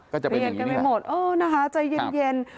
ก็จะเป็นอย่างนี้ครับเออนะคะใจเย็น